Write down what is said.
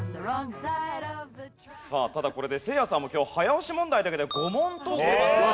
ただこれでせいやさんも今日早押し問題だけで５問取ってますので。